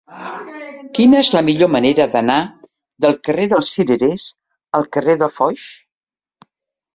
Quina és la millor manera d'anar del carrer dels Cirerers al carrer de Foix?